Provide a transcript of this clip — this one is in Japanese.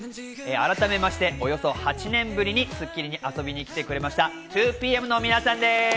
改めて、およそ８年ぶりに『スッキリ』に遊びに来てくれました、２ＰＭの皆さんです。